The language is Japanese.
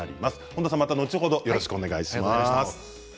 本多さん後ほどよろしくお願いします。